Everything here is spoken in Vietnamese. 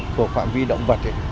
thuộc phạm vi động vật ấy